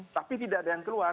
tapi tidak ada yang keluar